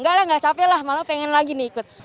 gak lah gak capek lah malah pengen lagi nih ikut